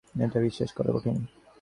এটা বিশ্বাস করা কঠিন।